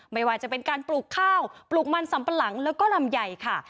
ในวันจะเป็นการปลูกข้าวปลูกมันสัมปรังแล้วก็ลำใหญ่ค่ะ